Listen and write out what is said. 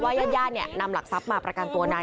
และพาอาวุธปืนเครื่องกระสุนปืนไว้ในครอบครองโดยไม่ได้รับอนุญาต